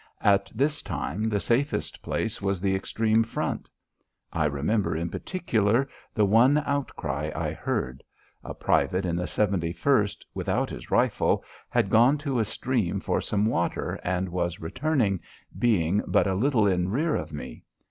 At this time the safest place was the extreme front. I remember in particular the one outcry I heard. A private in the 71st, without his rifle, had gone to a stream for some water, and was returning, being but a little in rear of me.